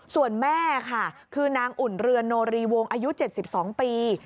ส่วนแม่ค่ะคือนางอุ่นเรือนโนรีวงอายุ๗๒ปี